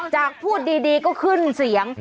จากพูดดีก็ขึ้นเสียง